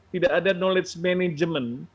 tidak ada knowledge management